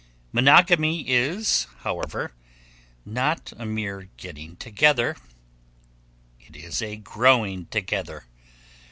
Monogamy is, however, not a mere getting together; it is a growing together.